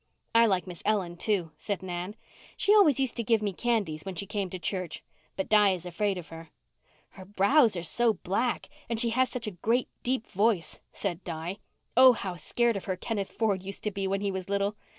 "I like Miss Ellen, too," said Nan. "She always used to give me candies when she came to church. But Di is afraid of her." "Her brows are so black and she has such a great deep voice," said Di. "Oh, how scared of her Kenneth Ford used to be when he was little!